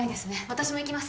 私も行きます